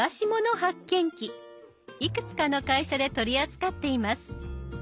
いくつかの会社で取り扱っています。